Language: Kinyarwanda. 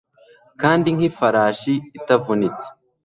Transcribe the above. Kandi nkifarashi itavunitse